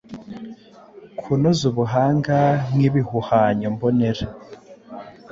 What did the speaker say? Kunoza ubuhanga nkibihuhanyo mbonera